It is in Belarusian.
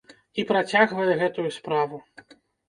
І працягвае гэтую справу.